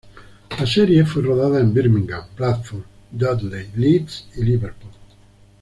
La serie fue rodada en Birmingham, Bradford, Dudley, Leeds y Liverpool.